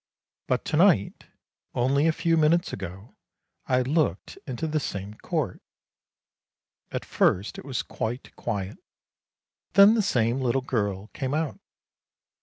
But to night, only a few minutes ago, I looked into the same court. At first it was quite quiet, but then the same little girl came out.